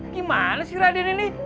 gimana si raden ini